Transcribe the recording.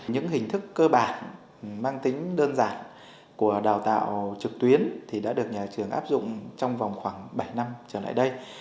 những hình thức cơ bản mang tính đơn giản của đào tạo trực tuyến thì đã được nhà trường áp dụng trong vòng khoảng bảy năm trở lại đây